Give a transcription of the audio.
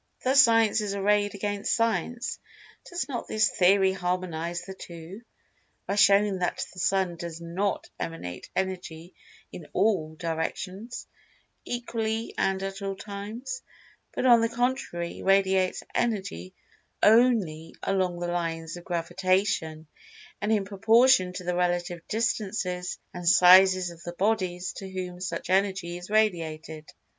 Thus Science is arrayed against Science. Does not this Theory harmonize the two, by showing that the Sun does not emanate Energy in all directions, equally, and at all times—but, on the contrary radiates Energy only along the lines of Gravitation, and in proportion to the relative distances and sizes of the bodies to whom such Energy is radiated?